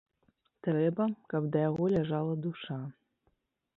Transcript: Трэба, каб да яго ляжала душа.